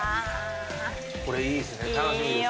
これいいですね楽しみですね。